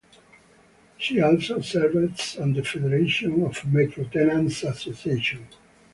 She also served on the Federation of Metro Tenants' Associations.